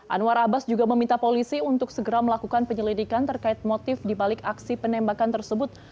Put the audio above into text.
anwar abbas juga meminta polisi untuk segera melakukan penyelidikan terkait motif dibalik aksi penembakan tersebut